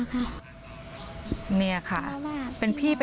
พี่น้องของผู้เสียหายแล้วเสร็จแล้วมีการของผู้เสียหาย